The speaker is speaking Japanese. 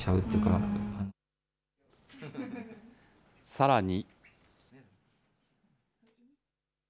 さらに。